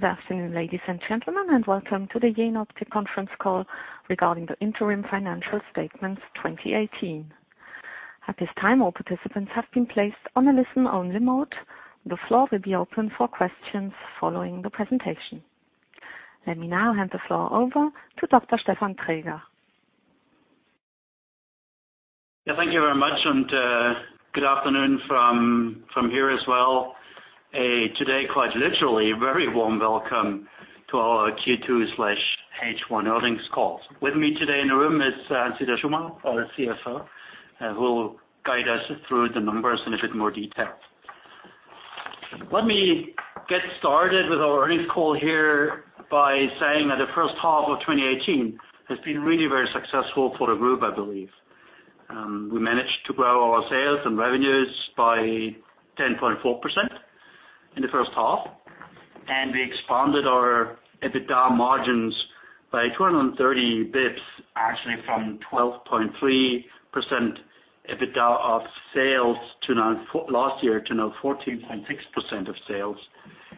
Good afternoon, ladies and gentlemen, and welcome to the Jenoptik conference call regarding the interim financial statements 2018. At this time, all participants have been placed on a listen-only mode. The floor will be open for questions following the presentation. Let me now hand the floor over to Dr. Stefan Traeger. Thank you very much, and good afternoon from here as well. Today, quite literally, a very warm welcome to our Q2/H1 earnings call. With me today in the room is Hans-Dieter Schumacher, our CFO, who will guide us through the numbers in a bit more detail. Let me get started with our earnings call here by saying that the first half of 2018 has been really very successful for the group, I believe. We managed to grow our sales and revenues by 10.4% in the first half, and we expanded our EBITDA margins by 230 basis points, actually from 12.3% EBITDA of sales last year to now 14.6% of sales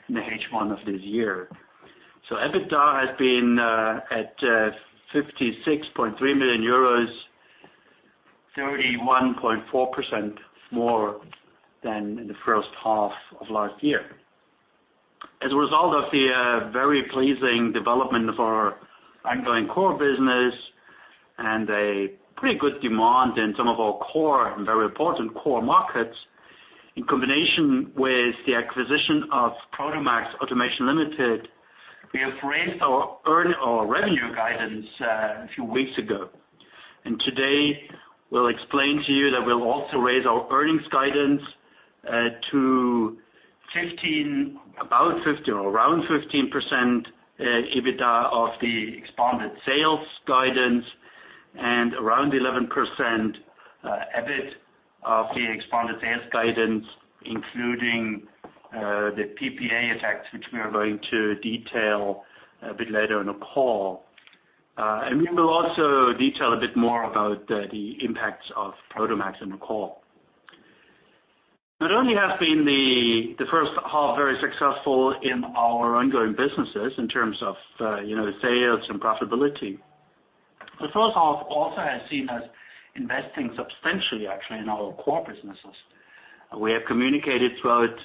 in the H1 of this year. EBITDA has been at 56.3 million euros, 31.4% more than in the first half of last year. As a result of the very pleasing development of our ongoing core business and a pretty good demand in some of our very important core markets, in combination with the acquisition of Prodomax Automation Ltd., we have raised our revenue guidance a few weeks ago. Today we'll explain to you that we'll also raise our earnings guidance to around 15% EBITDA of the expanded sales guidance and around 11% EBIT of the expanded sales guidance, including the PPA effects, which we are going to detail a bit later in the call. We will also detail a bit more about the impacts of Prodomax on the call. Not only has been the first half very successful in our ongoing businesses in terms of sales and profitability, the first half also has seen us investing substantially, actually, in our core businesses. We have communicated throughout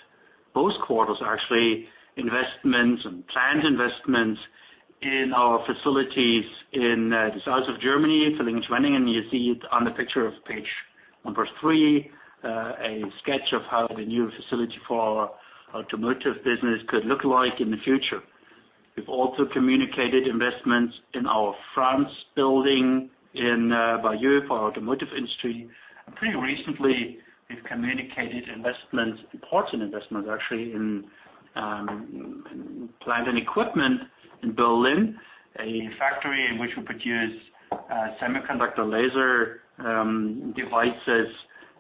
both quarters, actually, investments and planned investments in our facilities in the south of Germany, in Villingen. You see it on the picture of page number three, a sketch of how the new facility for our automotive business could look like in the future. We've also communicated investments in our France building in Bayeux for automotive industry. Pretty recently we've communicated important investments actually in plant and equipment in Berlin, a factory in which we produce semiconductor laser devices,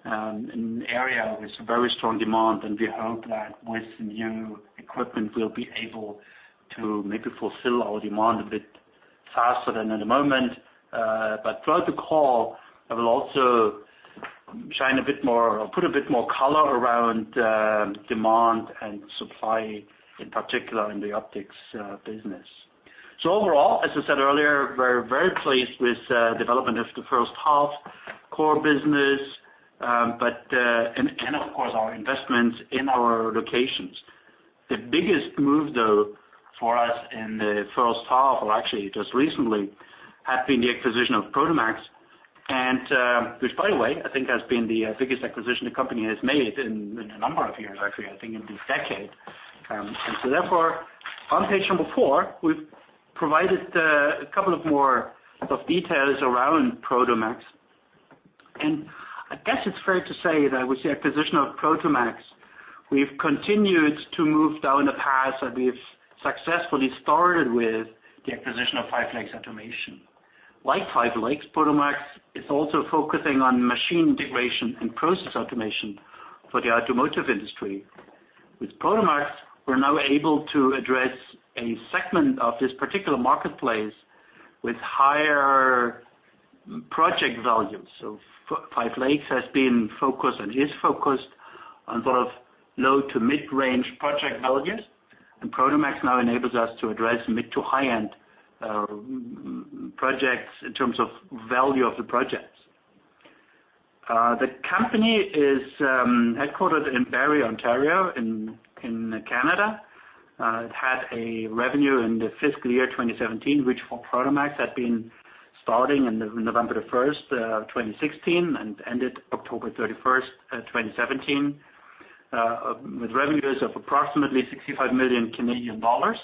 an area with very strong demand. We hope that with new equipment we'll be able to maybe fulfill our demand a bit faster than at the moment. Throughout the call, I will also put a bit more color around demand and supply, in particular in the optics business. Overall, as I said earlier, we're very pleased with development of the first half core business, and of course, our investments in our locations. The biggest move though for us in the first half, or actually just recently, has been the acquisition of Prodomax. Which, by the way, I think has been the biggest acquisition the company has made in a number of years actually, I think in the decade. Therefore, on page number four, we've provided a couple of more of details around Prodomax. I guess it's fair to say that with the acquisition of Prodomax, we've continued to move down a path that we've successfully started with the acquisition of Five Lakes Automation. Like Five Lakes, Prodomax is also focusing on machine integration and process automation for the automotive industry. With Prodomax, we're now able to address a segment of this particular marketplace with higher project volumes. Five Lakes has been focused, and is focused on sort of low to mid-range project volumes, and Prodomax now enables us to address mid to high-end projects in terms of value of the projects. The company is headquartered in Barrie, Ontario in Canada. It had a revenue in the fiscal year 2017, which for Prodomax had been starting in November 1st, 2016, and ended October 31st, 2017, with revenues of approximately 65 million Canadian dollars.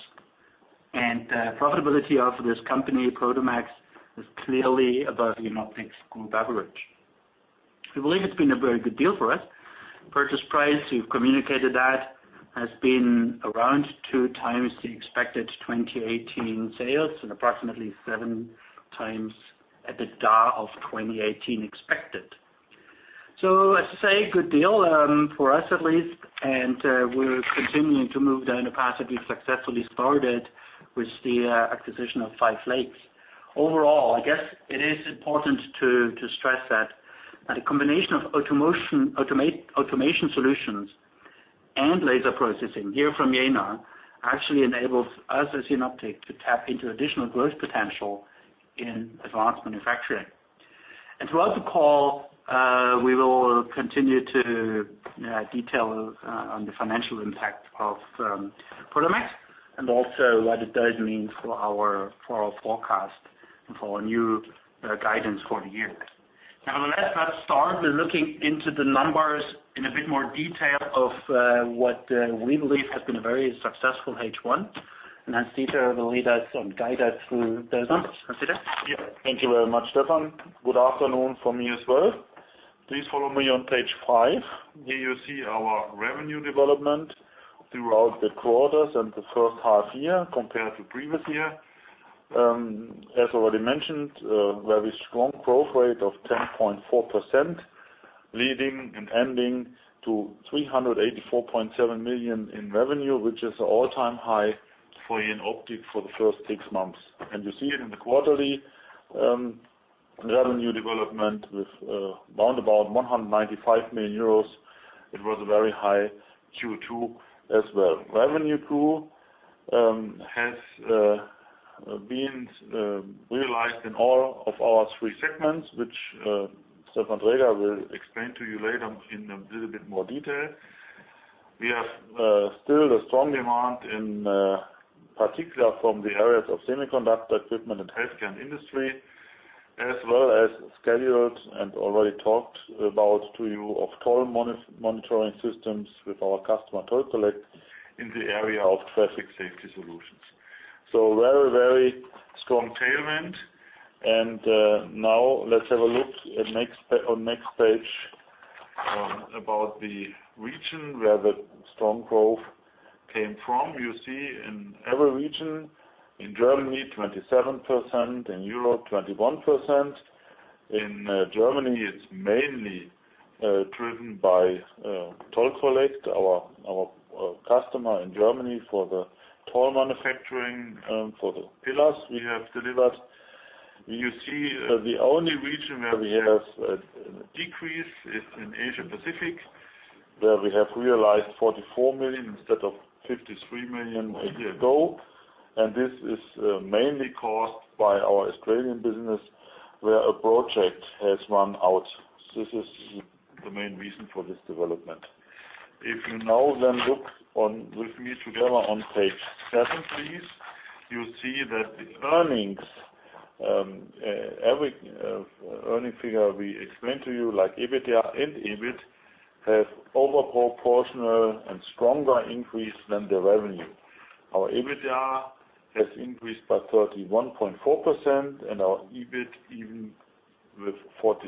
Profitability of this company, Prodomax, is clearly above Jenoptik's group average. We believe it's been a very good deal for us. Purchase price, we've communicated that, has been around 2x the expected 2018 sales and approximately 7x EBITDA of 2018 expected. As I say, good deal, for us at least, and we're continuing to move down a path that we successfully started with the acquisition of Five Lakes. Overall, I guess it is important to stress that a combination of automation solutions and laser processing here from Jena actually enables us as Jenoptik to tap into additional growth potential in advanced manufacturing. Throughout the call, we will continue to detail on the financial impact of the Prodomax and also what it does mean for our forecast and for our new guidance for the year. Now let's start with looking into the numbers in a bit more detail of what we believe has been a very successful H1, and Hans Dieter will lead us and guide us through that. Hans Dieter? Thank you very much, Stefan. Good afternoon from me as well. Please follow me on page five. Here you see our revenue development throughout the quarters and the first half year compared to previous year. As already mentioned, a very strong growth rate of 10.4%, leading and ending to 384.7 million in revenue, which is an all-time high for Jenoptik for the first six months. You see it in the quarterly revenue development with roundabout 195 million euros. It was a very high Q2 as well. Revenue too has been realized in all of our three segments, which Stefan Traeger will explain to you later in a little bit more detail. We have still a strong demand in particular from the areas of semiconductor equipment and health care and industry, as well as scheduled and already talked about to you of toll monitoring systems with our customer Toll Collect in the area of traffic safety solutions. Very, very strong tailwind. Now let's have a look on next page about the region where the strong growth came from. You see in every region, in Germany 27%, in Europe 21%. In Germany, it's mainly driven by Toll Collect, our customer in Germany for the toll manufacturing, for the pillars we have delivered. You see the only region where we have a decrease is in Asia Pacific, where we have realized 44 million instead of 53 million a year ago. This is mainly caused by our Australian business, where a project has run out. This is the main reason for this development. If you now then look with me together on page seven, please. You see that the earnings, every earning figure we explained to you, like EBITDA and EBIT, have overproportional and stronger increase than the revenue. Our EBITDA has increased by 31.4% and our EBIT even with 46.1%.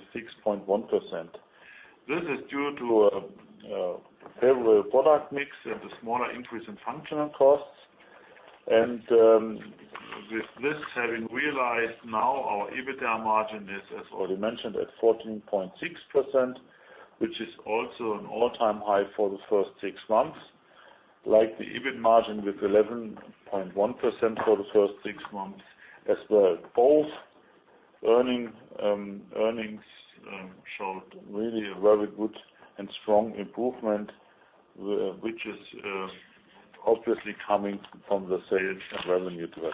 This is due to a favorable product mix and a smaller increase in functional costs. With this having realized now our EBITDA margin is, as already mentioned, at 14.6%, which is also an all-time high for the first six months, like the EBIT margin with 11.1% for the first six months as well. Both earnings showed really a very good and strong improvement, which is obviously coming from the sales and revenue growth.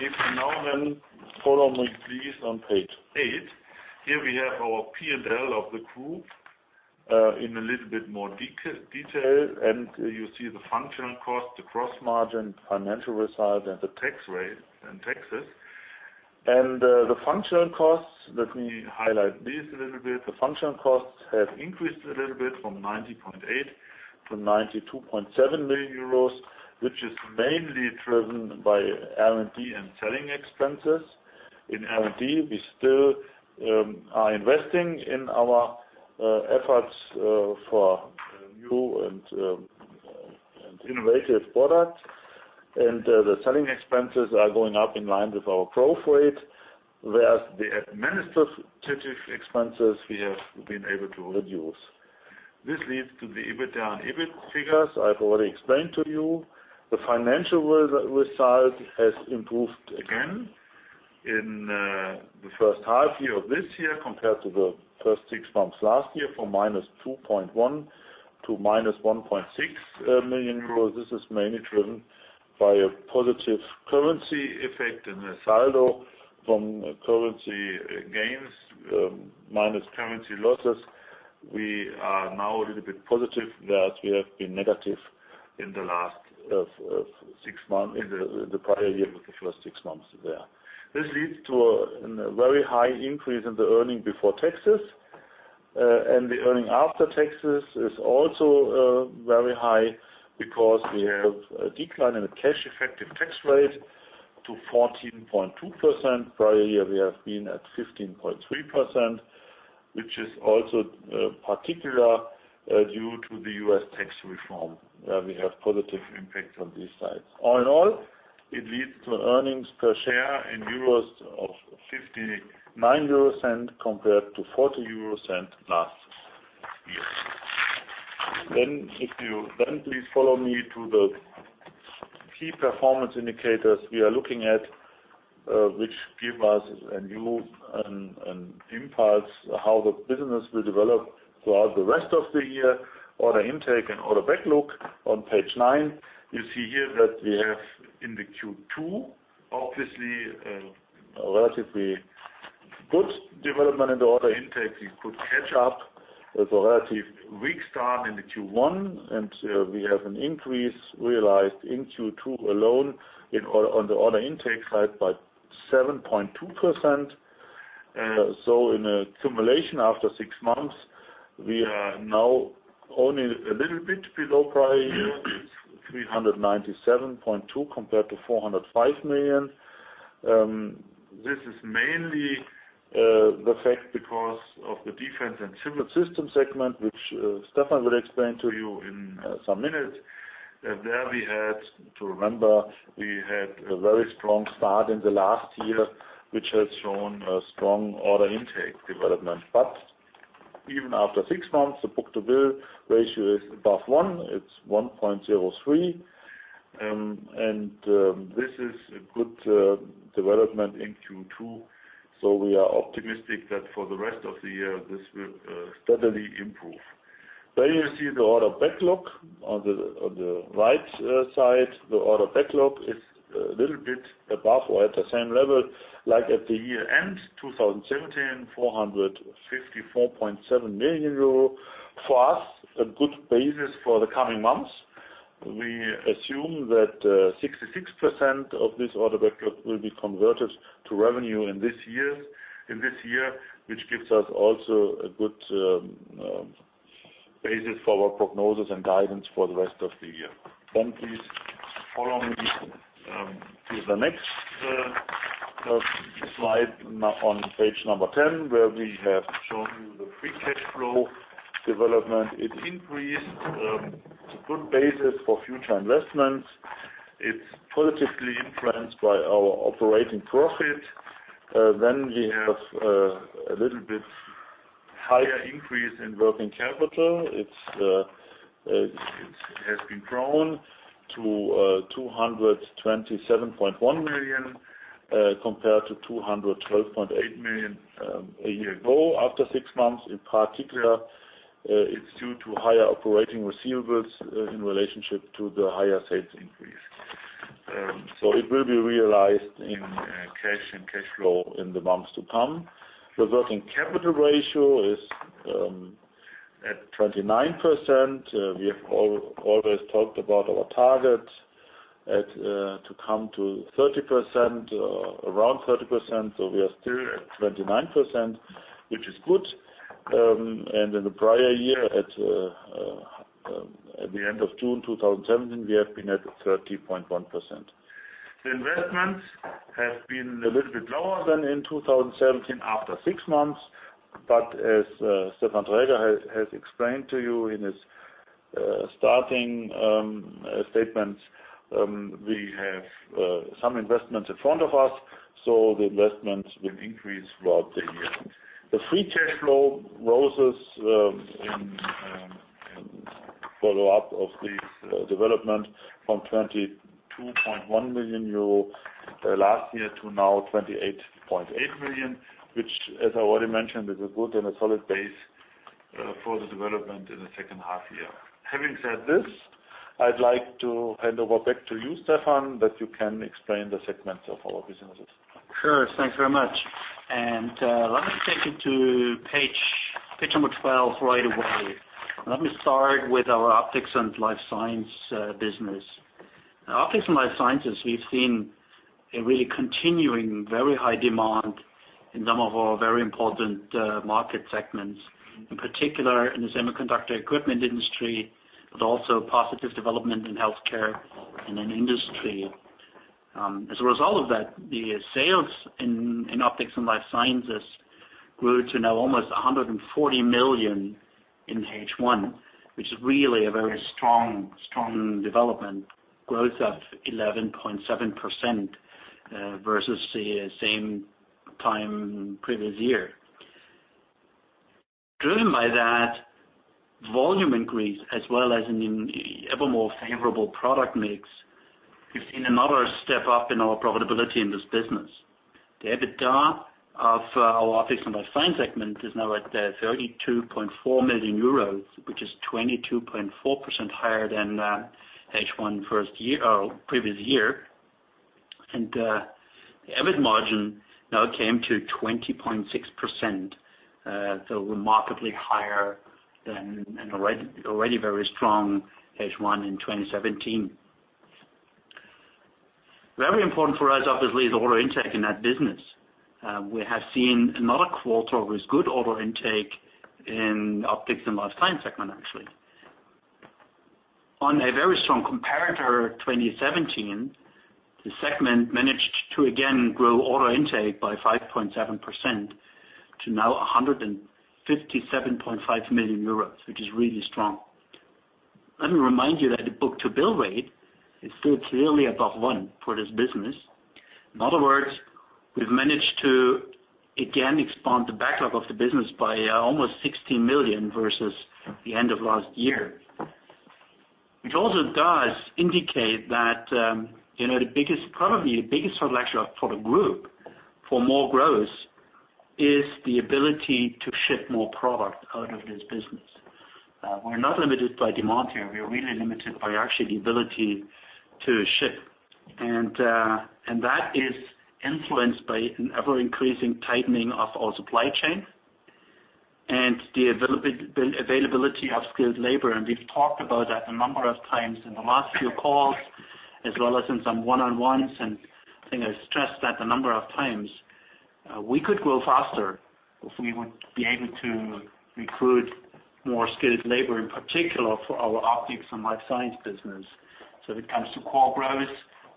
If you now then follow me please on page eight. Here we have our P&L of the group, in a little bit more detail. You see the functional cost, the gross margin, financial result, and the tax rate and taxes. The functional costs, let me highlight this a little bit. The functional costs have increased a little bit from 90.8 million to 92.7 million euros, which is mainly driven by R&D and selling expenses. R&D, we still are investing in our efforts for new and innovative products. The selling expenses are going up in line with our growth rate. Whereas the administrative expenses we have been able to reduce. This leads to the EBITDA and EBIT figures I've already explained to you. The financial result has improved again in the first half year of this year compared to the first six months last year, from -2.1 million to -1.6 million euros. This is mainly driven by a positive currency effect in the saldo from currency gains minus currency losses. We are now a little bit positive that we have been negative in the prior year with the first six months there. This leads to a very high increase in the earning before taxes. The earning after taxes is also very high because we have a decline in the cash effective tax rate to 14.2%. Prior year, we have been at 15.3%, which is also particular due to the U.S. tax reform, where we have positive impact on this side. All in all, it leads to earnings per share in euros of 0.59 euros compared to 0.40 euros last year. Please follow me to the key performance indicators we are looking at, which give us a view and impulse how the business will develop throughout the rest of the year. Order intake and order backlog on page nine. You see here that we have in the Q2, obviously, a relatively good development in the order intake. We could catch up with a relatively weak start in the Q1, and we have an increase realized in Q2 alone on the order intake side by 7.2%. In a accumulation after six months, we are now only a little bit below prior year, 397.2 million compared to 405 million. This is mainly the fact because of the Defense & Civil Systems segment, which Stefan will explain to you in some minutes. There we had to remember we had a very strong start in the last year, which had shown a strong order intake development. Even after six months, the book-to-bill ratio is above one. It's 1.03. This is a good development in Q2. We are optimistic that for the rest of the year, this will steadily improve. There you see the order backlog on the right side. The order backlog is a little bit above or at the same level like at the year-end 2017, 454.7 million euro. For us, a good basis for the coming months. We assume that 66% of this order backlog will be converted to revenue in this year, which gives us also a good basis for our prognosis and guidance for the rest of the year. Please follow me to the next slide now on page 10, where we have shown you the free cash flow development. It increased. It's a good basis for future investments. It's positively influenced by our operating profit. We have a little bit higher increase in working capital. It has been grown to 227.1 million compared to 212.8 million a year ago after six months. In particular, it's due to higher operating receivables in relationship to the higher sales increase. It will be realized in cash and cash flow in the months to come. The working capital ratio is at 29%. We have always talked about our target to come to 30%, around 30%, we are still at 29%, which is good. In the prior year at the end of June 2017, we have been at 30.1%. The investments have been a little bit lower than in 2017 after six months. As Stefan Traeger has explained to you in his starting statements, we have some investments in front of us, the investments will increase throughout the year. The free cash flow rose in follow-up of this development from 22.1 million euro last year to now 28.8 million, which, as I already mentioned, is a good and a solid base for the development in the second half year. Having said this, I'd like to hand over back to you, Stefan, that you can explain the segments of our businesses. Sure. Thanks very much. Let me take you to page 12 right away. Let me start with our Optics & Life Science business. In Optics & Life Science, we've seen a really continuing, very high demand in some of our very important market segments. In particular, in the semiconductor equipment industry, but also positive development in healthcare and in industry. As a result of that, the sales in Optics & Life Science grew to now almost 140 million in H1, which is really a very strong development. Growth of 11.7% versus the same time previous year. Driven by that volume increase as well as an evermore favorable product mix, we've seen another step up in our profitability in this business. The EBITDA of our Optics & Life Science segment is now at 32.4 million euros, which is 22.4% higher than H1 previous year. The EBIT margin now came to 20.6%, so remarkably higher than an already very strong H1 in 2017. Very important for us, obviously, is order intake in that business. We have seen another quarter with good order intake in Optics & Life Science segment, actually. On a very strong comparator 2017, the segment managed to again grow order intake by 5.7% to now 157.5 million euros, which is really strong. Let me remind you that the book-to-bill rate is still clearly above one for this business. In other words, we've managed to again expand the backlog of the business by almost 16 million versus the end of last year. Which also does indicate that probably the biggest bottleneck for the group for more growth is the ability to ship more product out of this business. We're not limited by demand here, we are really limited by actually the ability to ship. That is influenced by an ever-increasing tightening of our supply chain and the availability of skilled labor. We've talked about that a number of times in the last few calls, as well as in some one-on-ones, and I think I stressed that a number of times. We could grow faster if we would be able to recruit more skilled labor, in particular for our Optics & Life Science business. When it comes to core growth,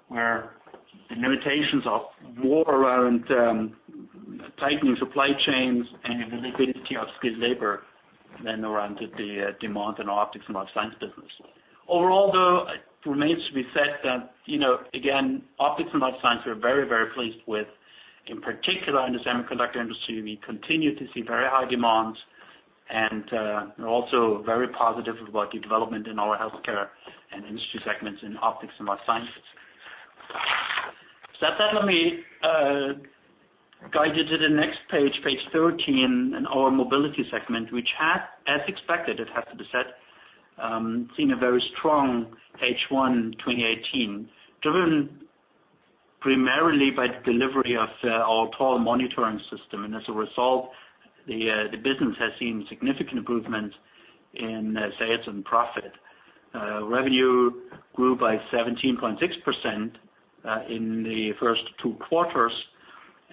where the limitations are more around tightening supply chains and availability of skilled labor than around the demand in our Optics & Life Science business. Overall, though, it remains to be said that, again, Optics & Life Science, we are very, very pleased with. In particular, in the semiconductor industry, we continue to see very high demands and are also very positive about the development in our healthcare and industry segments in Optics & Life Science. Said that, let me guide you to the next page 13, in our Mobility segment, which has, as expected, it has to be said, seen a very strong H1 2018, driven primarily by the delivery of our toll monitoring system. As a result, the business has seen significant improvement in sales and profit. Revenue grew by 17.6% in the first two quarters,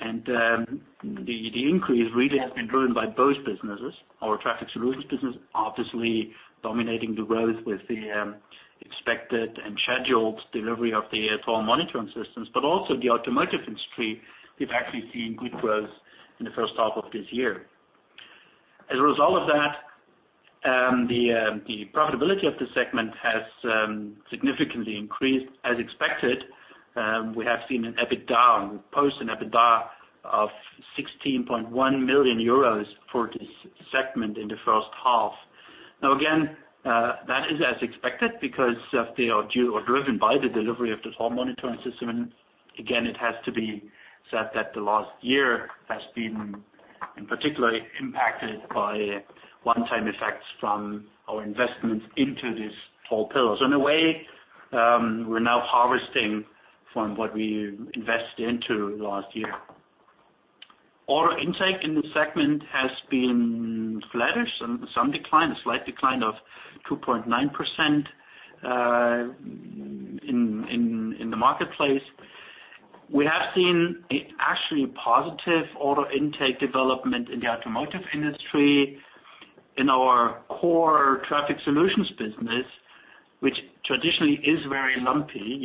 and the increase really has been driven by both businesses. Our Traffic Solutions business obviously dominating the growth with the expected and scheduled delivery of the toll monitoring systems. Also the automotive industry, we've actually seen good growth in the first half of this year. As a result of that, the profitability of this segment has significantly increased as expected. We have seen an EBITDA, and we post an EBITDA of 16.1 million euros for this segment in the first half. Again, that is as expected driven by the delivery of the toll monitoring system, and again, it has to be said that the last year has been, in particular, impacted by one-time effects from our investments into these toll pillars. In a way, we're now harvesting from what we invested into last year. Order intake in this segment has been flattish and some decline, a slight decline of 2.9% in the marketplace. We have seen actually a positive order intake development in the automotive industry, in our core Traffic Solutions business, which traditionally is very lumpy.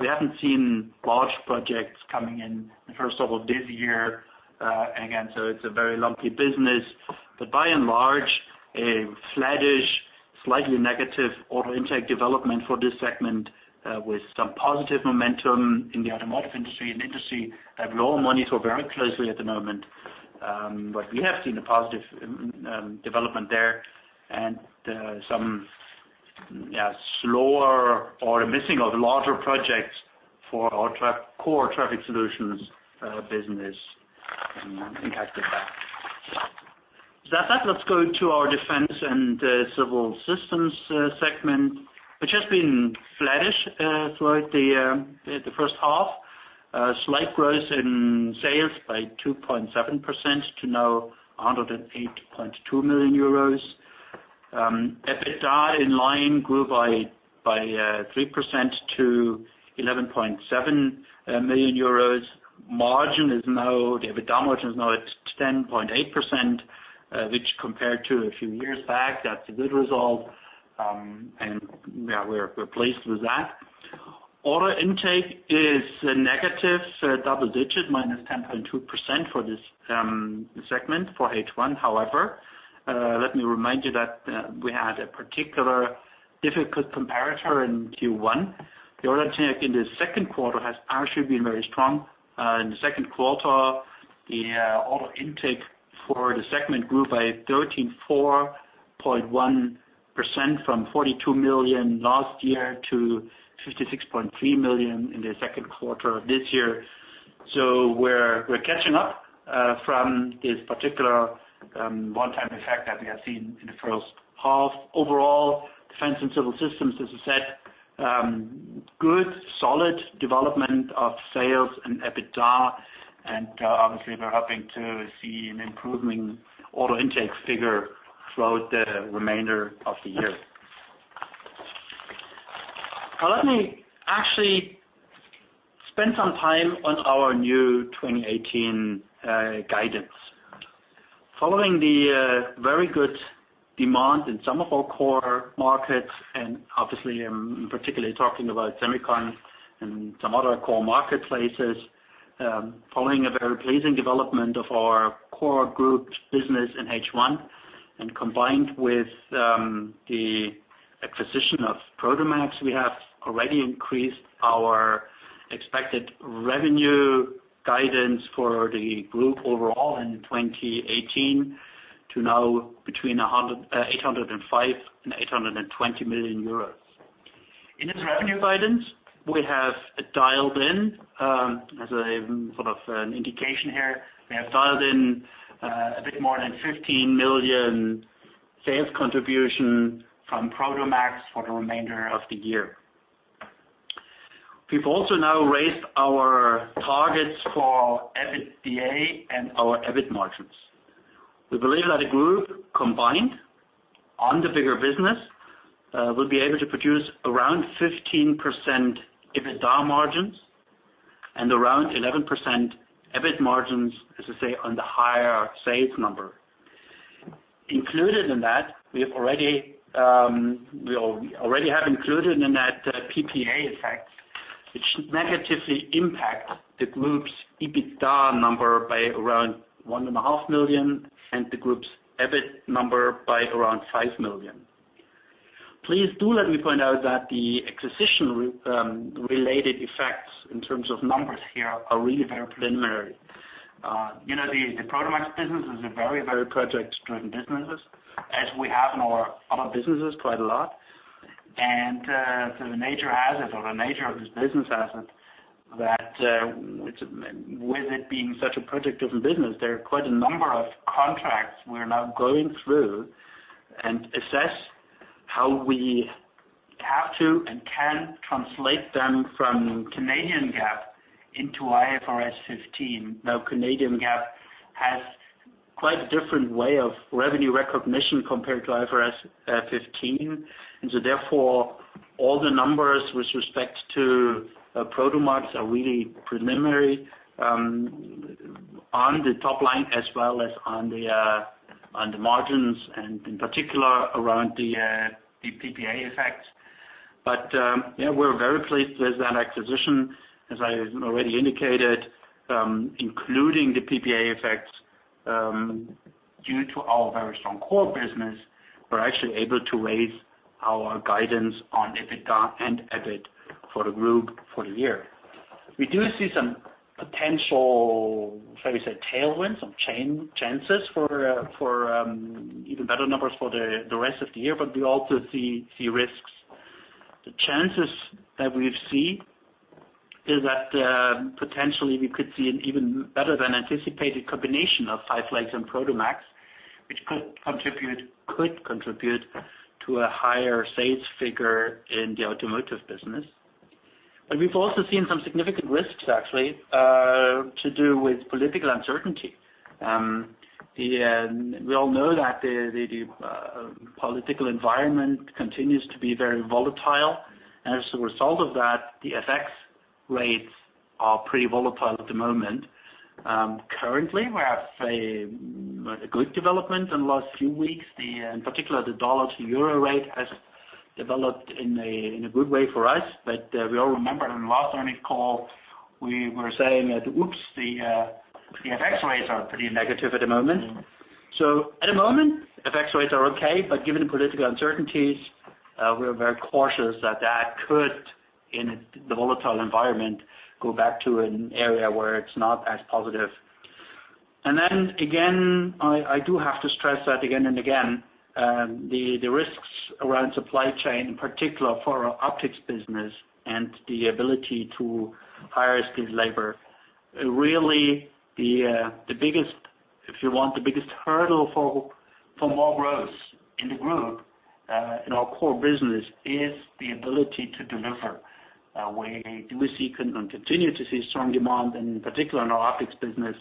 We haven't seen large projects coming in the first half of this year. Again, so it's a very lumpy business. By and large, a flattish, slightly negative order intake development for this segment, with some positive momentum in the automotive industry, an industry that we all monitor very closely at the moment. We have seen a positive development there and some slower or missing of larger projects for our core Traffic Solutions business impacted that. Said that, let's go to our Defense & Civil Systems segment, which has been flattish throughout the first half. A slight growth in sales by 2.7% to now 108.2 million euros. EBITDA in line grew by 3% to 11.7 million euros. The EBITDA margin is now at 10.8%, which compared to a few years back, that's a good result, and yeah, we're pleased with that. Order intake is negative double digits, minus 10.2% for this segment for H1. However, let me remind you that we had a particular difficult comparator in Q1. The order intake in the second quarter has actually been very strong. In the second quarter, the order intake for the segment grew by 134.1% from 42 million last year to 56.3 million in the second quarter of this year. We're catching up from this particular one-time effect that we have seen in the first half. Overall, Defense & Civil Systems, as I said, good solid development of sales and EBITDA, and obviously, we're hoping to see an improving order intake figure throughout the remainder of the year. Let me actually spend some time on our new 2018 guidance. Following the very good demand in some of our core markets, and obviously I'm particularly talking about semiconductor and some other core marketplaces, following a very pleasing development of our core group business in H1. Combined with the acquisition of Prodomax, we have already increased our expected revenue guidance for the group overall in 2018 to now between 805 million and 820 million euros. In this revenue guidance, we have dialed in, as a sort of an indication here, we have dialed in a bit more than 15 million sales contribution from Prodomax for the remainder of the year. We've also now raised our targets for EBITDA and our EBIT margins. We believe that a group combined on the bigger business will be able to produce around 15% EBITDA margins and around 11% EBIT margins, as I say, on the higher sales number. Included in that, we already have included in that PPA effects, which negatively impact the group's EBITDA number by around one and a half million and the group's EBIT number by around 5 million. Please do let me point out that the acquisition-related effects in terms of numbers here are really very preliminary. The Prodomax business is a very project-driven businesses, as we have in our other businesses quite a lot. The nature has it or the nature of this business has it that with it being such a project-driven business, there are quite a number of contracts we're now going through and assess how we have to and can translate them from Canadian GAAP into IFRS 15. Canadian GAAP has quite a different way of revenue recognition compared to IFRS 15, and so therefore, all the numbers with respect to Prodomax are really preliminary on the top line as well as on the margins and in particular around the PPA effects. Yeah, we're very pleased with that acquisition, as I already indicated, including the PPA effects due to our very strong core business, we're actually able to raise our guidance on EBITDA and EBIT for the group for the year. We do see some potential, shall we say, tailwinds or chances for even better numbers for the rest of the year, but we also see risks. The chances that we see is that potentially we could see an even better than anticipated combination of Five Lakes and Prodomax, which could contribute to a higher sales figure in the automotive business. We've also seen some significant risks actually, to do with political uncertainty. We all know that the political environment continues to be very volatile, and as a result of that, the FX rates are pretty volatile at the moment. Currently, we have a good development in the last few weeks. In particular, the dollar to euro rate has developed in a good way for us. We all remember in the last earning call we were saying that, oops, the FX rates are pretty negative at the moment. At the moment, FX rates are okay, but given the political uncertainties, we are very cautious that that could, in the volatile environment, go back to an area where it's not as positive. Again, I do have to stress that again and again, the risks around supply chain, in particular for our optics business and the ability to hire skilled labor. Really the biggest hurdle for more growth in the group, in our core business is the ability to deliver. We do see and continue to see strong demand, and in particular in our optics business,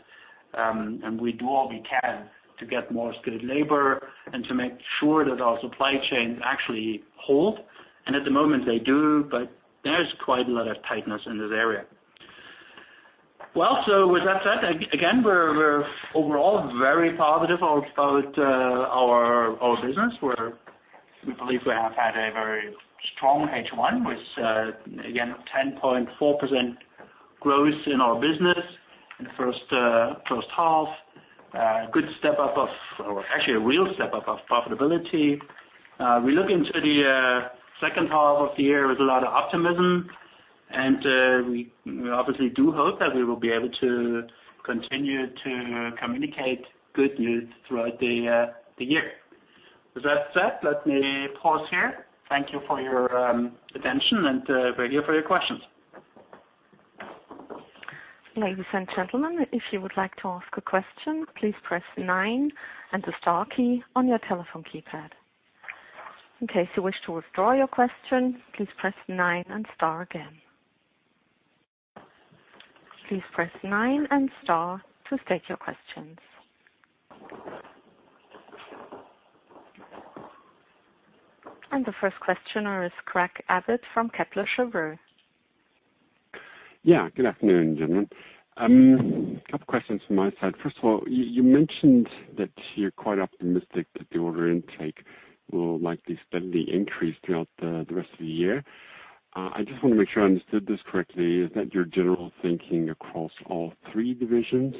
we do all we can to get more skilled labor and to make sure that our supply chains actually hold. At the moment they do, but there is quite a lot of tightness in this area. Well, with that said, again, we're overall very positive about our business. We believe we have had a very strong H1 with, again, 10.4% growth in our business in the first half. A good step up, actually a real step up of profitability. We look into the second half of the year with a lot of optimism, we obviously do hope that we will be able to continue to communicate good news throughout the year. With that said, let me pause here. Thank you for your attention and ready for your questions. Ladies and gentlemen, if you would like to ask a question, please press nine and the star key on your telephone keypad. In case you wish to withdraw your question, please press nine and star again. Please press nine and star to state your questions. The first questioner is Craig Abbott from Kepler Cheuvreux. Yeah. Good afternoon, gentlemen. A couple questions from my side. First of all, you mentioned that you're quite optimistic that the order intake will likely steadily increase throughout the rest of the year. I just want to make sure I understood this correctly. Is that your general thinking across all three divisions?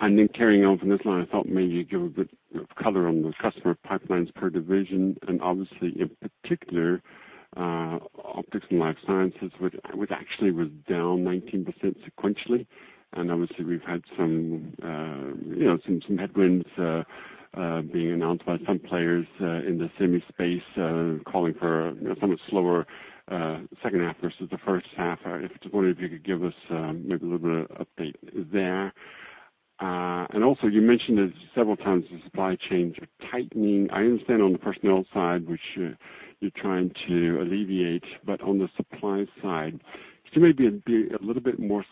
Then carrying on from this line, I thought maybe you'd give a bit of color on the customer pipelines per division, and obviously in particular, Optics and Life Science, which actually was down 19% sequentially. Obviously we've had some headwinds being announced by some players in the semi space, calling for somewhat slower second half versus the first half. I just wondered if you could give us maybe a little bit of update there. Also, you mentioned this several times, the supply chains are tightening. I understand on the personnel side, which you're trying to alleviate. On the supply side, could you maybe be a little bit more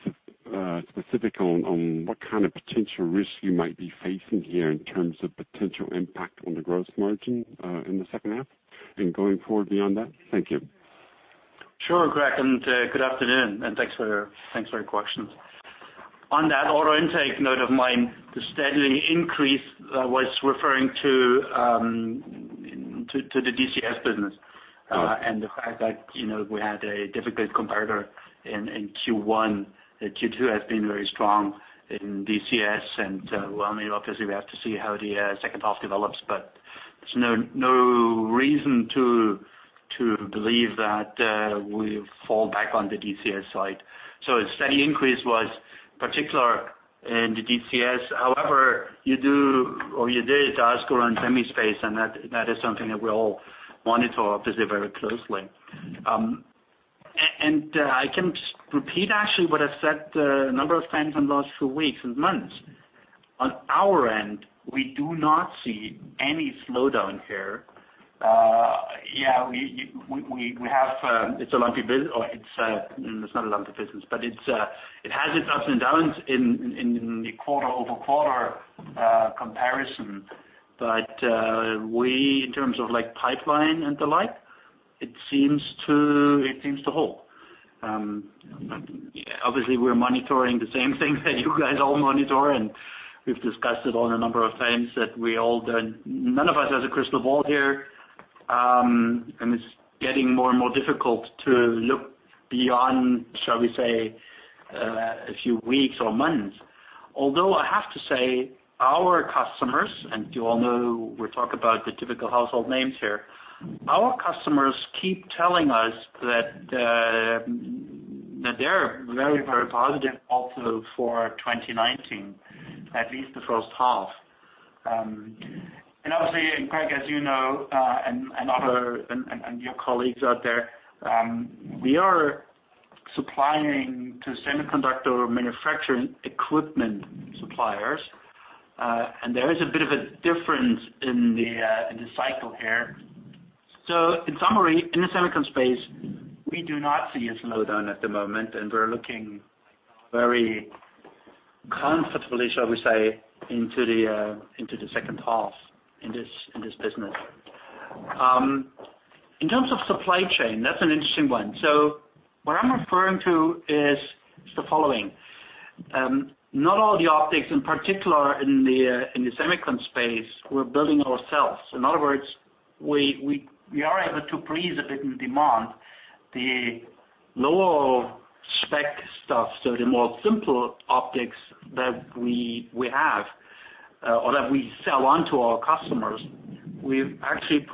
specific on what kind of potential risks you might be facing here in terms of potential impact on the gross margin in the second half, and going forward beyond that? Thank you. Sure, Craig, and good afternoon, and thanks for your questions. On that order intake note of mine, the steady increase was referring to the DCS business. Oh The fact that we had a difficult comparator in Q1. Q2 has been very strong in DCS, and, well, obviously we have to see how the second half develops, but there's no reason to believe that we'll fall back on the DCS side. The steady increase was particular in the DCS. However, you did ask around semi space, and that is something that we all monitor, obviously very closely. I can repeat actually what I've said a number of times in the last few weeks and months. On our end, we do not see any slowdown here. It's a lumpy business. It's not a lumpy business, but it has its ups and downs in the quarter-over-quarter comparison. We, in terms of pipeline and the like, it seems to hold. Obviously, we're monitoring the same thing that you guys all monitor, and we've discussed it on a number of times that none of us has a crystal ball here. It's getting more and more difficult to look beyond, shall we say, a few weeks or months. Although, I have to say, our customers, and you all know we talk about the typical household names here. Our customers keep telling us that they're very, very positive also for 2019, at least the first half. Obviously, and Craig, as you know, and your colleagues out there, we are supplying to semiconductor manufacturing equipment suppliers. There is a bit of a difference in the cycle here. In summary, in the semiconductor space, we do not see a slowdown at the moment, and we're looking very comfortably, shall we say, into the second half in this business. In terms of supply chain, that's an interesting one. What I'm referring to is the following. Not all the optics, in particular in the semiconductor space, we're building ourselves. In other words, we are able to please a bit in demand the lower spec stuff. The more simple optics that we have or that we sell on to our customers, we actually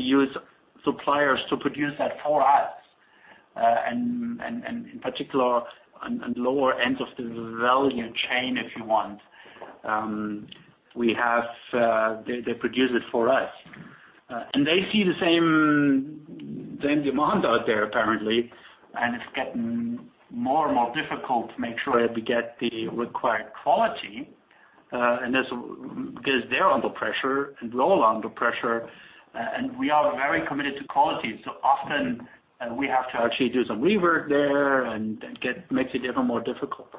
use suppliers to produce that for us. In particular, on lower ends of the value chain, if you want. They produce it for us. They see the same demand out there, apparently, and it's getting more and more difficult to make sure that we get the required quality. Because they're under pressure, and we're all under pressure, and we are very committed to quality. Often, we have to actually do some rework there, and it makes it even more difficult.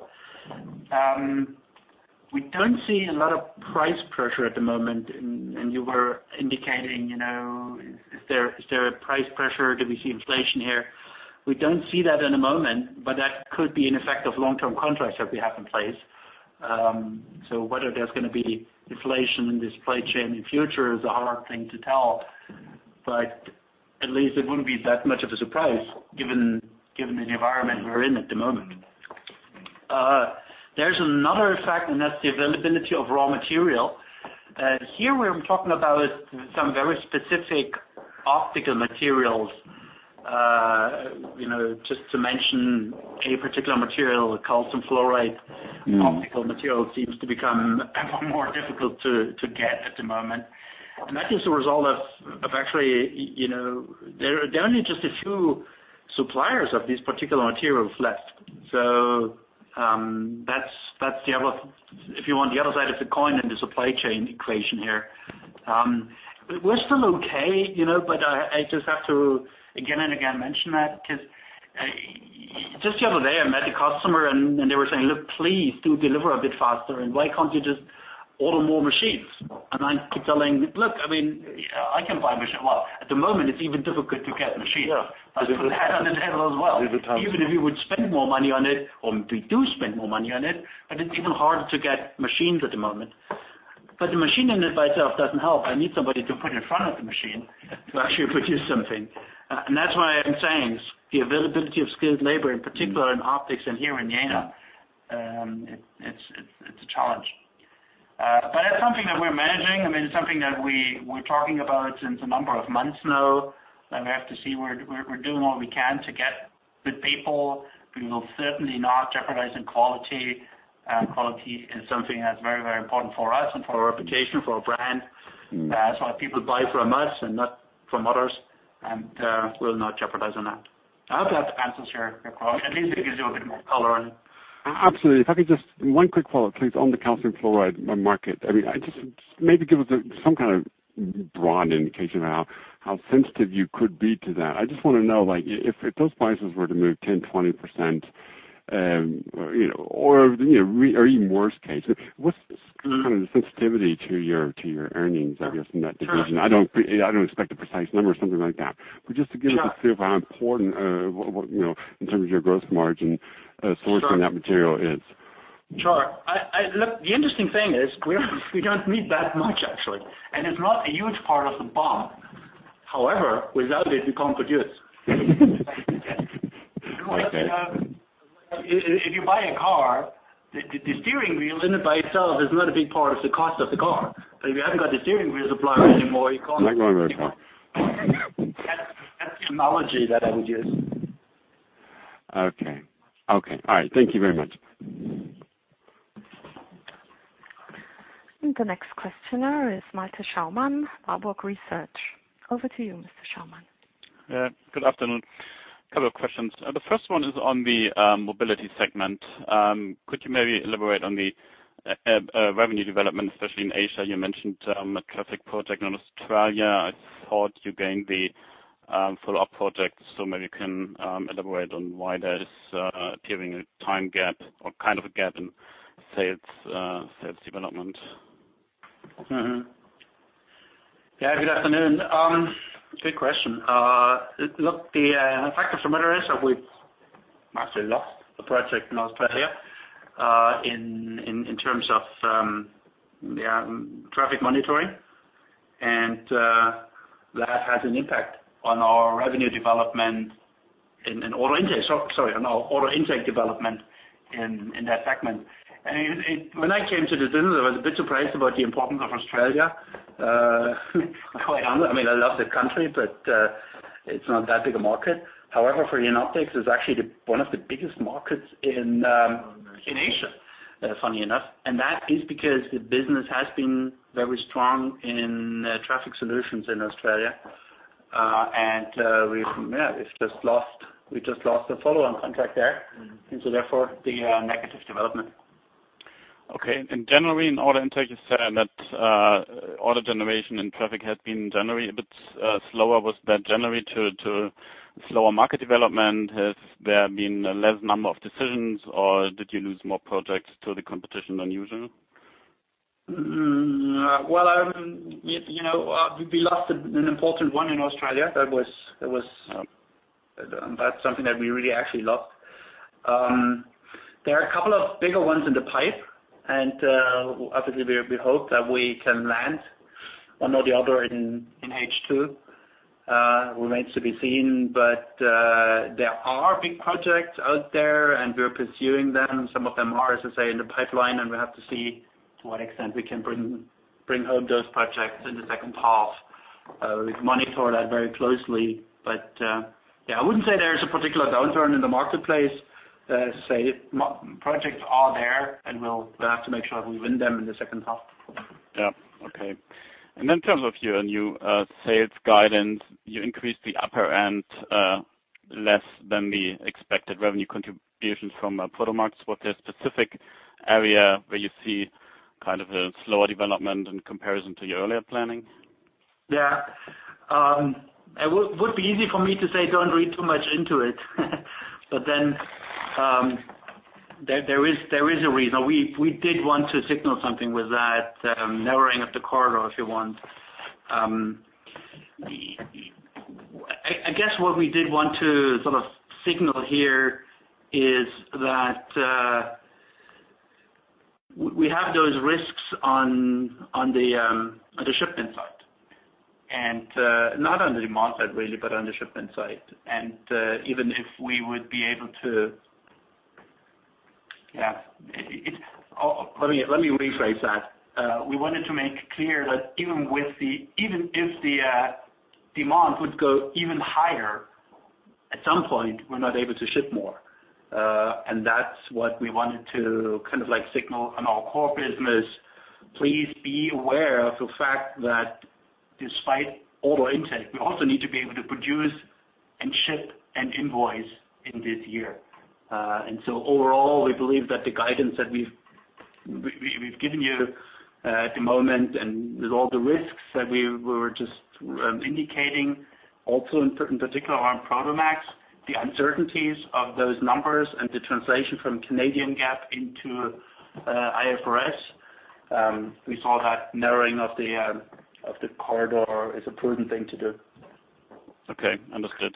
We don't see a lot of price pressure at the moment. You were indicating, is there a price pressure? Do we see inflation here? We don't see that in a moment, but that could be an effect of long-term contracts that we have in place. Whether there's going to be inflation in the supply chain in future is a hard thing to tell. At least it wouldn't be that much of a surprise given the environment we're in at the moment. There's another effect. That's the availability of raw material. Here, where I'm talking about some very specific optical materials, just to mention a particular material, calcium fluoride- optical material seems to become ever more difficult to get at the moment. That is a result of actually, there are only just a few suppliers of these particular materials left. That's the other, if you want, the other side of the coin in the supply chain equation here. We're still okay, but I just have to again and again mention that because just the other day, I met a customer, and they were saying, "Look, please do deliver a bit faster, and why can't you just order more machines?" I keep telling, "Look, I mean, I can buy a machine." Well, at the moment, it's even difficult to get machines. Yeah. I put that on the table as well. Every time. Even if you would spend more money on it, or we do spend more money on it's even harder to get machines at the moment. The machine in it by itself doesn't help. I need somebody to put in front of the machine to actually produce something. That's why I'm saying the availability of skilled labor, in particular in optics and here in Jena, it's a challenge. That's something that we're managing. It's something that we're talking about since a number of months now, that we have to see. We're doing all we can to get good people. We will certainly not jeopardize in quality. Quality is something that's very, very important for us and for our reputation, for our brand. That's why people buy from us and not from others, and we'll not jeopardize on that. I hope that answers your query. At least it gives you a bit more color on it. Absolutely. If I could just, one quick follow-up, please, on the calcium fluoride market. Just maybe give us some kind of broad indication of how sensitive you could be to that. I just want to know, if those prices were to move 10%, 20%, or even worse case, what's kind of the sensitivity to your earnings, I guess, from that division? Sure. I don't expect a precise number or something like that. Sure a feel of how important, in terms of your gross margin- Sure sourcing that material is. Sure. Look, the interesting thing is we don't need that much, actually, and it's not a huge part of the BOM. However, without it, we can't produce. Okay. If you buy a car, the steering wheel in it by itself is not a big part of the cost of the car. If you haven't got the steering wheel supplier anymore, you can't- You're not going very far. That's the analogy that I would use. Okay. All right. Thank you very much. The next questioner is Malte Schaumann, Warburg Research. Over to you, Mr. Schaumann. Good afternoon. A couple of questions. The first one is on the Mobility segment. Could you maybe elaborate on the revenue development, especially in Asia? You mentioned a traffic project in Australia. I thought you gained the follow-up project. Maybe you can elaborate on why that is giving a time gap or kind of a gap in sales development. Good afternoon. It's a good question. The factor from it is that we've actually lost the project in Australia in terms of their traffic monitoring. That has an impact on our revenue development in order intake. Sorry, on our order intake development in that segment. When I came to the business, I was a bit surprised about the importance of Australia. I mean, I love the country, but it's not that big a market. However, for Jenoptik, it's actually one of the biggest markets in Asia, funny enough. That is because the business has been very strong in Traffic Solutions in Australia. We've just lost a follow-on contract there. Therefore, the negative development. Okay. In January, in order intake, you said that order generation and traffic had been generally a bit slower. Was that generally due to slower market development? Has there been a less number of decisions? Did you lose more projects to the competition than usual? We lost an important one in Australia. That's something that we really actually lost. There are a couple of bigger ones in the pipe. Obviously, we hope that we can land one or the other in H2. Remains to be seen. There are big projects out there. We're pursuing them. Some of them are, as I say, in the pipeline. We have to see to what extent we can bring home those projects in the second half. We monitor that very closely. I wouldn't say there is a particular downturn in the marketplace. As I say, projects are there. We'll have to make sure that we win them in the second half. Yeah. Okay. In terms of your new sales guidance, you increased the upper end less than the expected revenue contributions from Prodomax. Was there a specific area where you see a slower development in comparison to your earlier planning? Yeah. It would be easy for me to say, "Don't read too much into it." There is a reason. We did want to signal something with that narrowing of the corridor, if you want. I guess what we did want to sort of signal here is that we have those risks on the shipment side. Not on the demand side, really, but on the shipment side. We wanted to make clear that even if the demand would go even higher, at some point, we're not able to ship more. That's what we wanted to signal on our core business. Please be aware of the fact that despite order intake, we also need to be able to produce and ship and invoice in this year. Overall, we believe that the guidance that we've given you at the moment and with all the risks that we were just indicating, also in particular on Prodomax, the uncertainties of those numbers and the translation from Canadian GAAP into IFRS. We saw that narrowing of the corridor is a prudent thing to do. Okay, understood.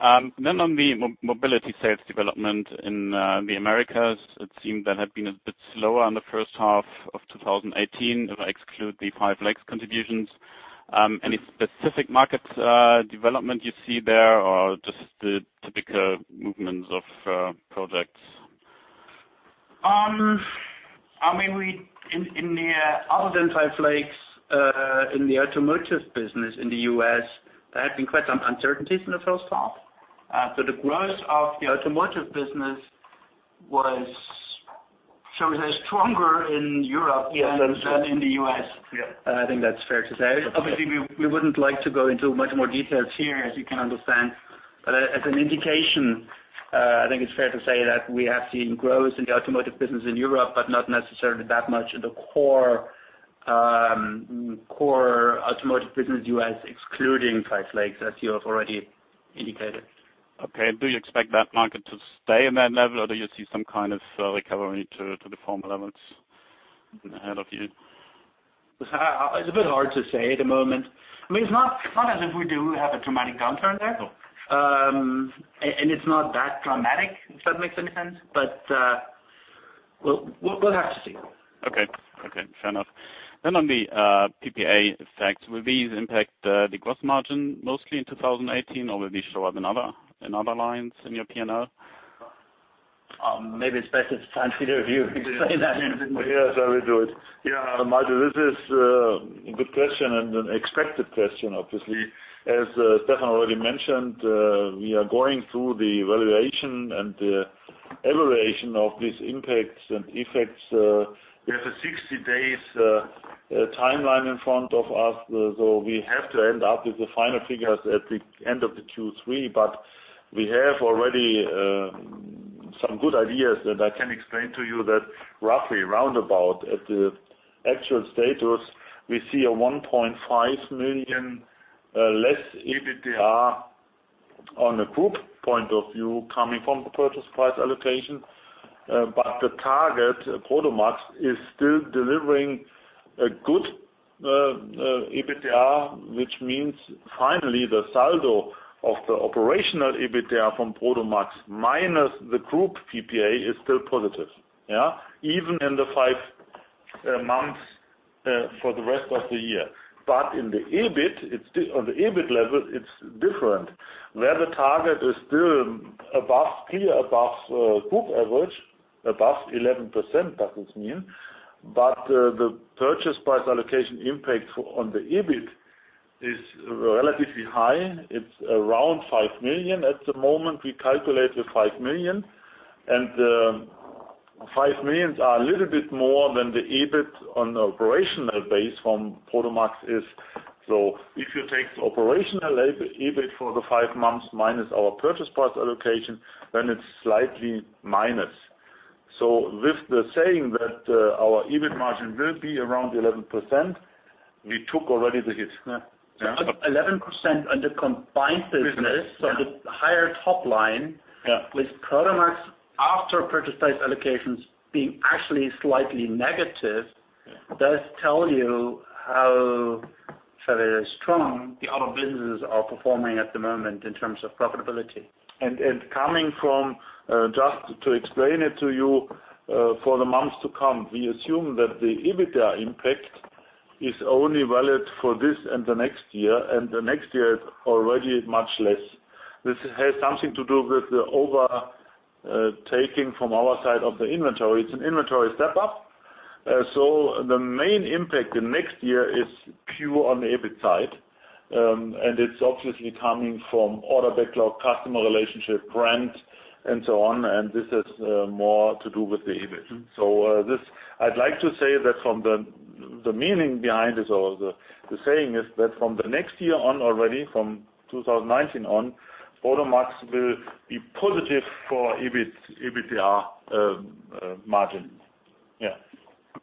On the Mobility sales development in the Americas, it seemed that had been a bit slower in the first half of 2018 if I exclude the Five Lakes contributions. Any specific markets development you see there or just the typical movements of projects? Other than Five Lakes, in the automotive business in the U.S., there had been quite some uncertainties in the first half. The growth of the automotive business was, shall we say, stronger in Europe than in the U.S. I think that's fair to say. Obviously, we wouldn't like to go into much more details here as you can understand. As an indication, I think it's fair to say that we have seen growth in the automotive business in Europe, but not necessarily that much in the core automotive business U.S. excluding Five Lakes, as you have already indicated. Okay. Do you expect that market to stay in that level or do you see some kind of recovery to the former levels ahead of you? It's a bit hard to say at the moment. It's not as if we do have a dramatic downturn there. No. It's not that dramatic, if that makes any sense. We'll have to see. Okay. Fair enough. On the PPA effects, will these impact the gross margin mostly in 2018 or will they show up in other lines in your P&L? Maybe it's best this time for you to explain that. Yes, I will do it. Yeah, Malte, this is a good question and an expected question, obviously. As Stefan already mentioned, we are going through the evaluation and the evaluation of these impacts and effects. We have a 60 days timeline in front of us, so we have to end up with the final figures at the end of the Q3. We have already some good ideas that I can explain to you that roughly roundabout at the actual status, we see a 1.5 million less EBITDA on a group point of view coming from the purchase price allocation. The target, Prodomax, is still delivering a good EBITDA, which means finally the saldo of the operational EBITDA from Prodomax minus the group PPA is still positive. Even in the five months for the rest of the year. On the EBIT level, it's different. Where the target is still clear above group average, above 11%, that is mean. The purchase price allocation impact on the EBIT is relatively high. It's around 5 million at the moment. We calculate with 5 million and 5 million are a little bit more than the EBIT on the operational base from Prodomax is. If you take the operational EBIT for the 5 months minus our purchase price allocation, then it's slightly minus. With the saying that our EBIT margin will be around 11%, we took already the hit. 11% on the combined business. The higher top line with Prodomax after purchase price allocations being actually slightly negative does tell you how strong the other businesses are performing at the moment in terms of profitability. Just to explain it to you, for the months to come, we assume that the EBITDA impact is only valid for this and the next year and the next year is already much less. This has something to do with the overtaking from our side of the inventory. It's an inventory step up. The main impact the next year is pure on the EBIT side. It's obviously coming from order backlog, customer relationship, brand and so on, and this has more to do with the EBIT. I'd like to say that from the meaning behind this all, the saying is that from the next year on already, from 2019 on, Prodomax will be positive for EBITDA margin. Okay.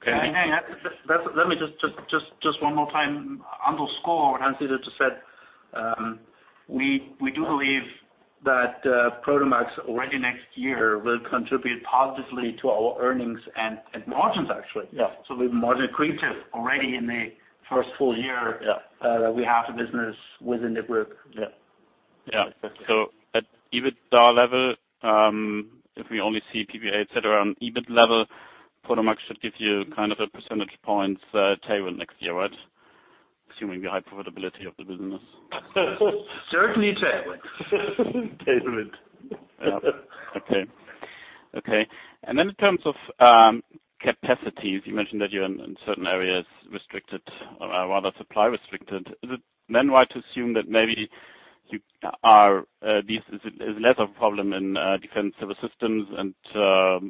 Let me just one more time underscore what Hans just said. We do believe that Prodomax already next year will contribute positively to our earnings and margins actually. Yeah. Be margin accretive already in the first full year- Yeah that we have the business within the group. Yeah. At EBITDA level, if we only see PPA et cetera on EBIT level, Prodomax should give you a percentage points tailwind next year, right? Assuming the high profitability of the business. Certainly a tailwind. Tailwind. Okay. In terms of capacities, you mentioned that you're in certain areas restricted or rather supply restricted. Is it right to assume that maybe this is less of a problem in Defense & Civil Systems and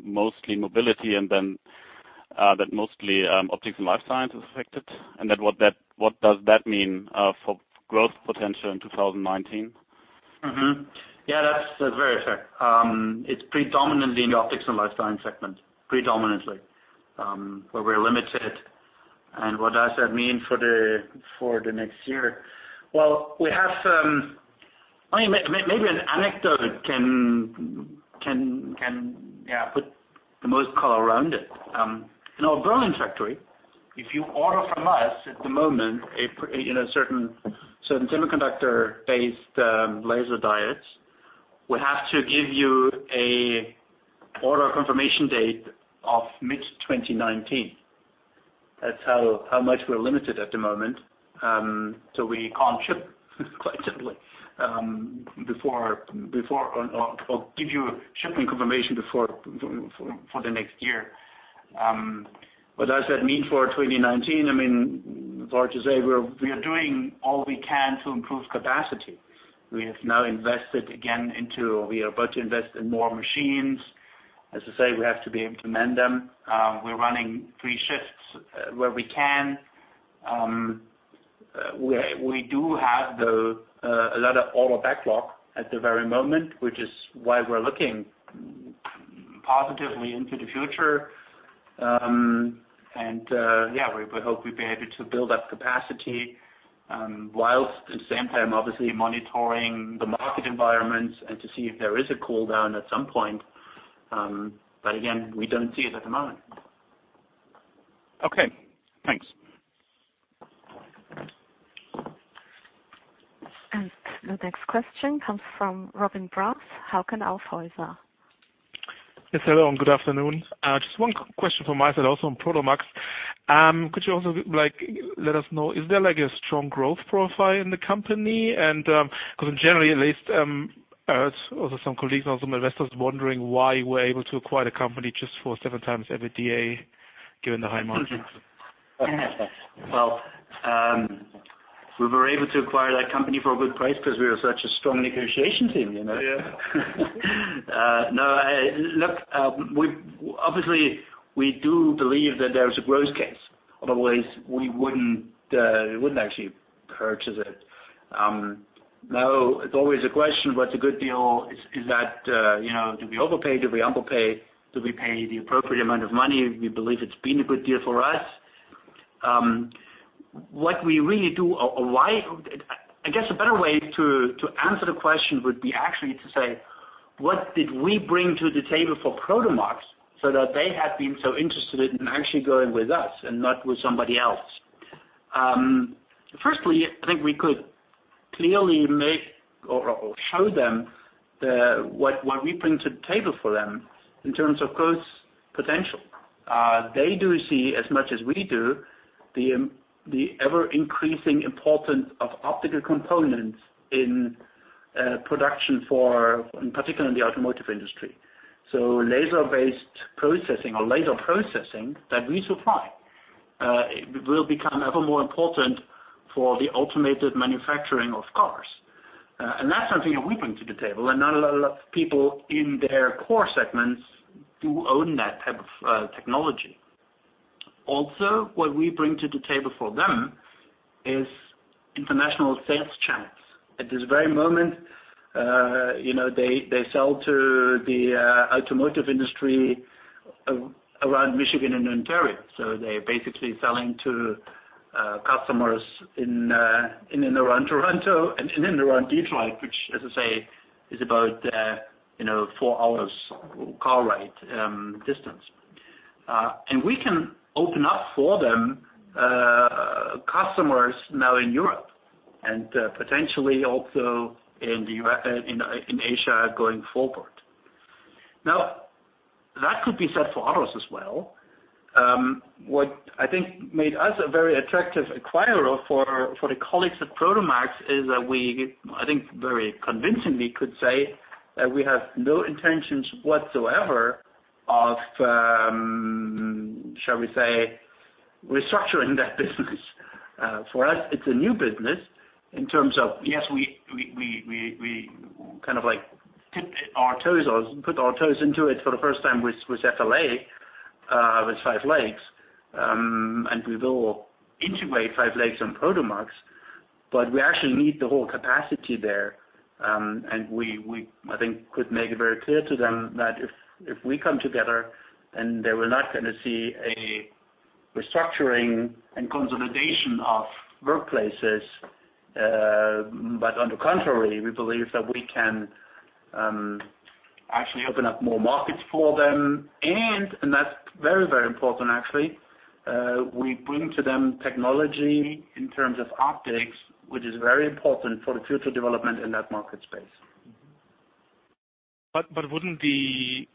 mostly Mobility and that mostly Optics & Life Science is affected? What does that mean for growth potential in 2019? Yeah, that's very fair. It's predominantly in the Optics & Life Science segment, predominantly, where we're limited. What does that mean for the next year? Well, maybe an anecdote can put the most color around it. In our Berlin factory, if you order from us at the moment, certain semiconductor-based laser diodes, we have to give you an order confirmation date of mid-2019. That's how much we're limited at the moment. We can't ship, quite simply, or give you shipping confirmation for the next year. What does that mean for 2019? I mean, it's hard to say. We are doing all we can to improve capacity. We are about to invest in more machines. As I say, we have to be able to man them. We're running three shifts where we can. We do have a lot of order backlog at the very moment, which is why we're looking positively into the future. Yeah, we hope we'll be able to build up capacity, whilst at the same time, obviously, monitoring the market environment and to see if there is a cool down at some point. Again, we don't see it at the moment. Okay. Thanks. The next question comes from Robin Brass, Hauck & Aufhäuser. Yes, hello, and good afternoon. Just one question from my side also on Prodomax. Could you also let us know, is there a strong growth profile in the company? Because in general at least, I heard also some colleagues and also my investors wondering why you were able to acquire the company just for seven times EBITDA, given the high margin. Well, we were able to acquire that company for a good price because we are such a strong negotiation team. Yeah. No. Look, obviously, we do believe that there is a growth case. Otherwise, we wouldn't actually purchase it. Now, it's always a question, what's a good deal? Did we overpay? Did we underpay? Did we pay the appropriate amount of money? We believe it's been a good deal for us. I guess a better way to answer the question would be actually to say, what did we bring to the table for Prodomax so that they had been so interested in actually going with us and not with somebody else? Firstly, I think we could clearly make or show them what we bring to the table for them in terms of growth potential. They do see as much as we do the ever-increasing importance of optical components in production for, in particular, in the automotive industry. Laser-based processing or laser processing that we supply will become ever more important for the automated manufacturing of cars. That's something that we bring to the table, and not a lot of people in their core segments do own that type of technology. What we bring to the table for them is international sales channels. At this very moment, they sell to the automotive industry around Michigan and Ontario. They're basically selling to customers in and around Toronto and in and around Detroit, which as I say, is about 4 hours car ride distance. We can open up for them customers now in Europe, and potentially also in Asia going forward. That could be said for others as well. What I think made us a very attractive acquirer for the colleagues at Prodomax is that we, I think very convincingly, could say that we have no intentions whatsoever of, shall we say, restructuring that business. For us, it's a new business in terms of yes, we kind of like dipped our toes or put our toes into it for the first time with FLA, with Five Lakes. We will integrate Five Lakes and Prodomax, but we actually need the whole capacity there. We, I think, could make it very clear to them that if we come together and they were not going to see a restructuring and consolidation of workplaces. On the contrary, we believe that we can actually open up more markets for them. That's very important actually, we bring to them technology in terms of optics, which is very important for the future development in that market space. Wouldn't the,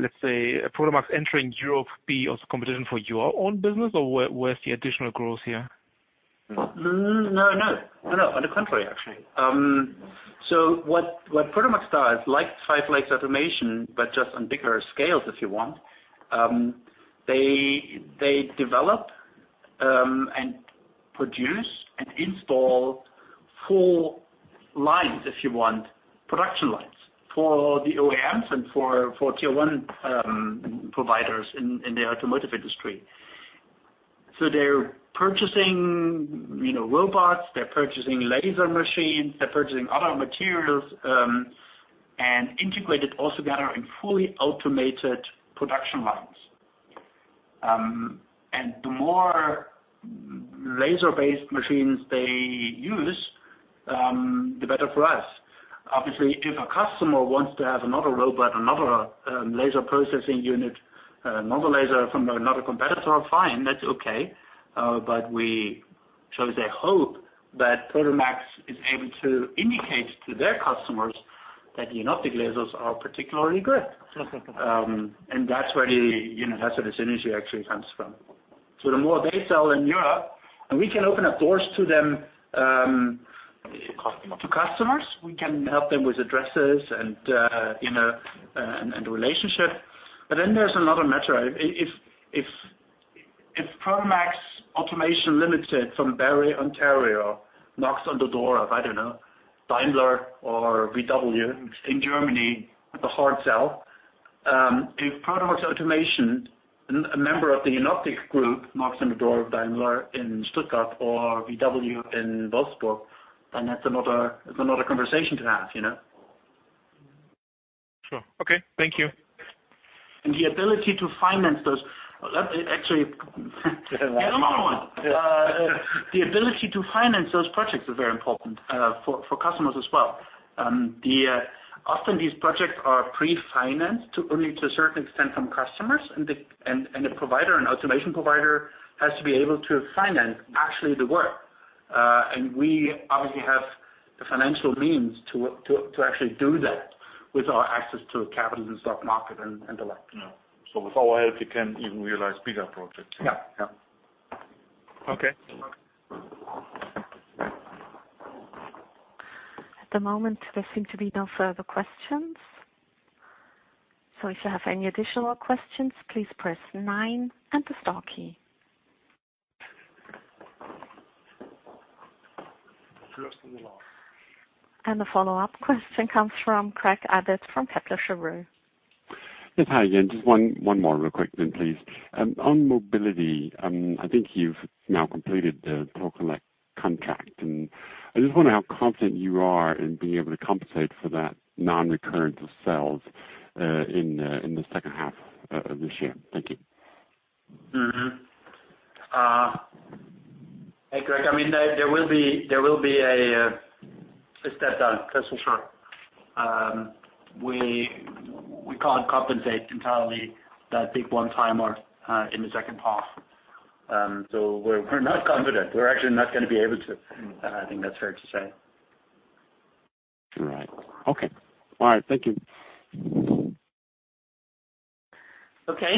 let's say, Prodomax entering Europe be also competition for your own business, or where's the additional growth here? No. On the contrary, actually. What Prodomax does, like Five Lakes Automation, but just on bigger scales, if you want. They develop and produce and install full lines, if you want, production lines for the OEMs and for tier 1 providers in the automotive industry. They're purchasing robots, they're purchasing laser machines, they're purchasing other materials, and integrate it all together in fully automated production lines. The more laser-based machines they use, the better for us. Obviously, if a customer wants to have another robot, another laser processing unit, another laser from another competitor, fine, that's okay. We hope that Prodomax is able to indicate to their customers that Jenoptik lasers are particularly good. That's where the synergy actually comes from. The more they sell in Europe, and we can open up doors to them- To customers to customers. We can help them with addresses and the relationship. There's another measure. If Prodomax Automation Ltd. from Barrie, Ontario, knocks on the door of, I don't know, Daimler or VW in Germany, it's a hard sell. If Prodomax Automation, a member of the Jenoptik group, knocks on the door of Daimler in Stuttgart or VW in Wolfsburg, that's another conversation to have. Sure. Okay. Thank you. The ability to finance those projects is very important for customers as well. Often these projects are pre-financed only to a certain extent from customers, and the automation provider has to be able to finance actually the work. We obviously have the financial means to actually do that with our access to capital and stock market and the like. With our help, you can even realize bigger projects. Yeah. Okay. At the moment, there seem to be no further questions. If you have any additional questions, please press nine and the star key. First and the last. The follow-up question comes from Craig Abbott from Kepler Cheuvreux. Yes, hi again. Just one more real quick then, please. On Mobility, I think you've now completed the Toll Collect contract, and I just wonder how confident you are in being able to compensate for that non-recurrence of sales in the second half of this year. Thank you. Hey, Craig. There will be a step down, that's for sure. We can't compensate entirely that big one-timer in the second half. We're not confident. We're actually not going to be able to. I think that's fair to say. Right. Okay. All right. Thank you. Okay.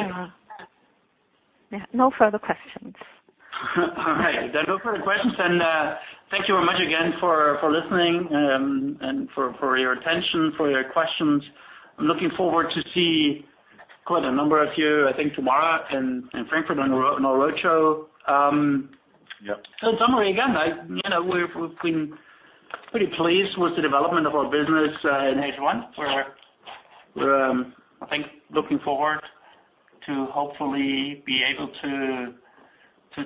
Yeah. No further questions. All right. If there are no further questions, thank you very much again for listening and for your attention, for your questions. I'm looking forward to see quite a number of you, I think, tomorrow in Frankfurt on the roadshow. Yeah. In summary, again, we've been pretty pleased with the development of our business in H1. We're, I think, looking forward to hopefully be able to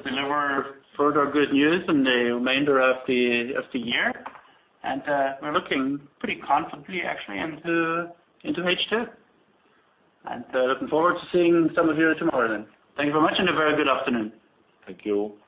deliver further good news in the remainder of the year. We're looking pretty confidently, actually, into H2. Looking forward to seeing some of you tomorrow then. Thank you very much and a very good afternoon. Thank you. Bye.